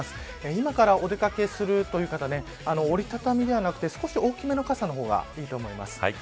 今からお出掛けする方は折り畳みではなく少し大きめの傘の方がいいと思います。